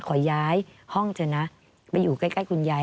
ขอย้ายห้องเถอะนะไปอยู่ใกล้คุณยาย